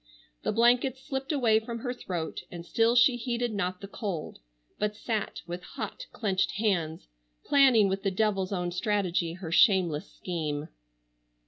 The blankets slipped away from her throat and still she heeded not the cold, but sat with hot clenched hands planning with the devil's own strategy her shameless scheme.